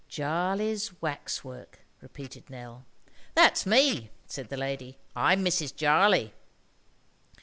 "Jarley's Wax work," repeated Nell. "That's me," said the lady. "I am Mrs. Jarley."